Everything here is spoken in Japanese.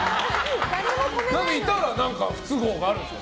いたら不都合がありますか。